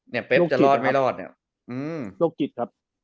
เป๊กจะรอดไม่รอดเนี่ยโรคจิตครับ